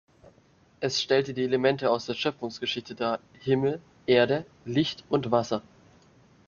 Es stellt die Elemente aus der Schöpfungsgeschichte dar: Himmel, Erde, Licht und Wasser.